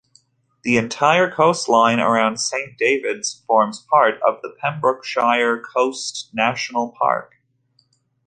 The entire coastline around Saint Davids forms part of the Pembrokeshire Coast National Park.